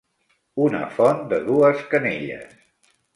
Una font de dues canelles.